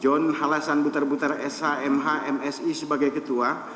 john halasan butar butar shmh msi sebagai ketua